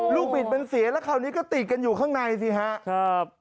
บิดมันเสียแล้วคราวนี้ก็ติดกันอยู่ข้างในสิครับ